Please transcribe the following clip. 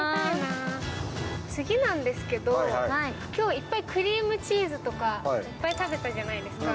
次なんですけど、今日いっぱいクリームチーズとか、いっぱい食べたじゃないですか。